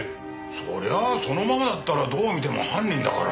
そりゃあそのままだったらどう見ても犯人だからなあ。